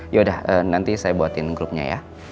ya udah nanti saya buatin grupnya ya